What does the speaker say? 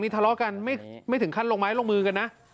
ทะเลาะกันไม่ถึงขั้นลงไม้ลงมือกันนะ